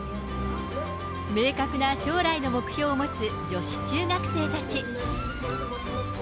明確な将来の目標を持つ女子中学生たち。